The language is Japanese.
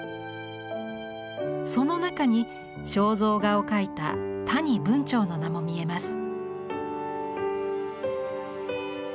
その中に肖像画を描いた谷文晁の名も見えます。